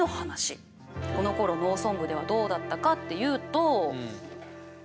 このころ農村部ではどうだったかっていうと。